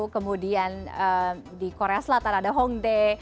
kemudian di korea selatan ada hongdae